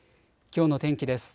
きょうの天気です。